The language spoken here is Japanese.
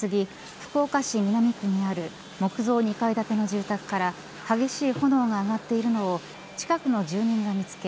福岡市南区にある木造２階建ての住宅から激しい炎が上がっているのを近くの住人が見つけ